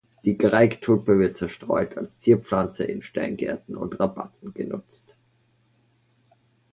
Die Greig-Tulpe wird zerstreut als Zierpflanze in Steingärten und Rabatten genutzt.